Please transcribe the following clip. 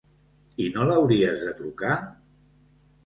I no l'hauries de trucar?